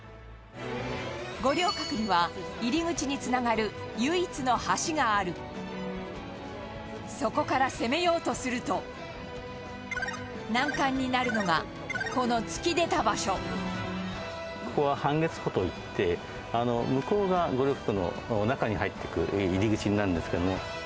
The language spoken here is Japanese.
五稜郭には、入り口につながる唯一の橋があるそこから攻めようとすると難関になるのがこの突き出た場所野村さん：ここは半月堡といって、向こう側五稜郭の中に入っていく入り口になるんですけれども。